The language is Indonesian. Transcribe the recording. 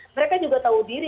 mereka juga tahu diri